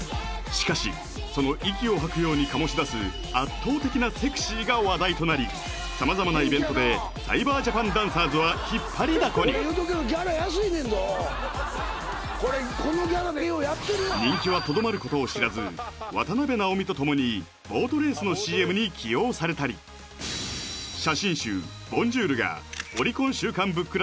しかしその息を吐くように醸し出すが話題となり様々なイベントでサイバージャパンダンサーズは引っ張りだこに人気はとどまることを知らず渡辺直美と共にボートレースのＣＭに起用されたり写真集「ＢＯＮＪＯＵＲ！！」がオリコン週間ＢＯＯＫ